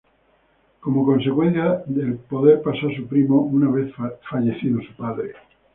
Como consecuencia el poder pasó a su primo una vez fallecido su padre.